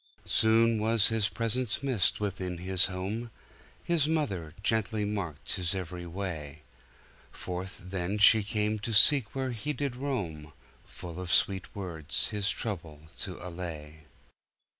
Soon was his presence missed within his home; His mother gently marked his every way; Forth then she came to seek where he did roam. Full of sweet words his trouble to allay.